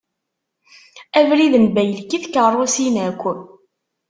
Abrid n baylek i tkerrusin akk.